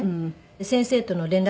先生との連絡先